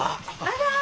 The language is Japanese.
あら！